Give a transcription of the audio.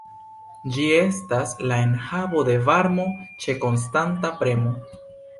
Ĝi estas la enhavo de varmo ĉe konstanta premo.